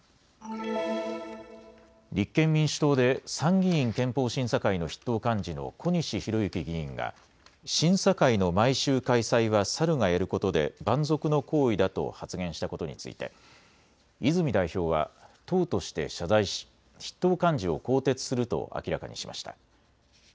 立憲民主党で参議院憲法審査会の筆頭幹事の小西洋之議員が審査会の毎週開催はサルがやることで蛮族の行為だと発言したことについて泉代表は党として謝罪し筆頭幹事を更迭すると明らかにしました。